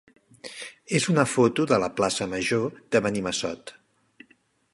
és una foto de la plaça major de Benimassot.